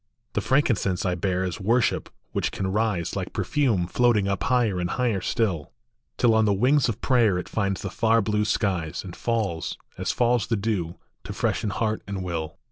The frankincense I bear is worship which can rise, Like perfume floating up higher and higher still, Till on the wings of prayer it finds the far blue skies, And falls, as falls the dew, to freshen heart and will.